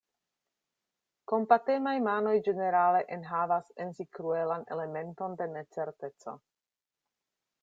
Kompatemaj manoj ĝenerale enhavas en si kruelan elementon de necerteco.